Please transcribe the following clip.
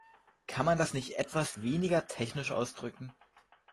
Kann man das nicht etwas weniger technisch ausdrücken?